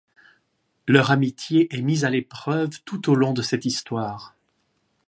Leur amitié est mise à l'épreuve tout au long de cette histoire.